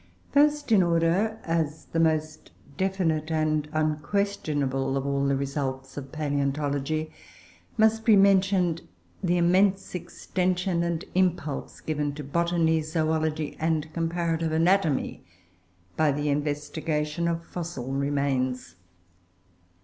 First in order, as the most definite and unquestionable of all the results of palaeontology, must be mentioned the immense extension and impulse given to botany, zoology, and comparative anatomy, by the investigation of fossil remains.